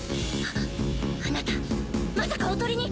あなたまさかおとりに⁉